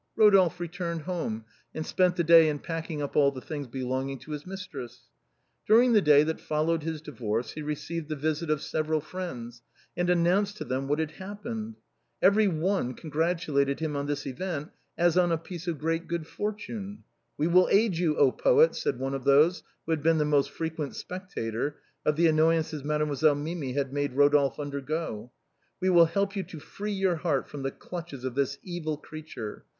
Kodolphe returned home, and spent the day in packing up all the things belonging to his mistress. During the day that followed his divorce, he received the visit of several friends, and announced to them what had happened. Every one congratulated him on this event as on a piece of great good fortune. " We will aid you, oh poet !" said one of those who had been the most frequent spectator of the annoyances Made moiselle Mimi had made Eodolphe undergo ;" we will help you to free your heart from the clutches of this evil creat ure.